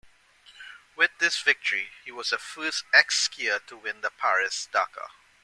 With this victory, he was the first ex-skier to win the Paris-Dakar.